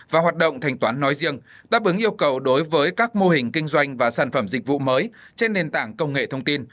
và hoạt động thanh toán nói riêng đáp ứng yêu cầu đối với các mô hình kinh doanh và sản phẩm dịch vụ mới trên nền tảng công nghệ thông tin